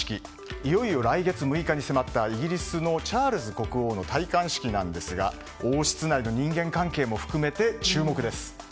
いよいよ来月６日に迫ったイギリスのチャールズ国王の戴冠式なんですが王室内の人間関係も含めて注目です。